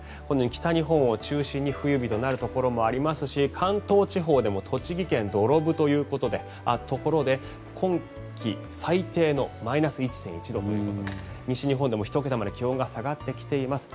北日本を中心に冬日となるところもありますし関東地方でも栃木県土呂部というところで今季最低のマイナス１．１度ということで西日本でも１桁まで気温が下がってきています。